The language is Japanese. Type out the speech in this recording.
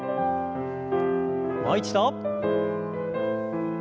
もう一度。